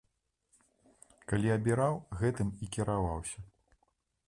Калі абіраў, гэтым і кіраваўся.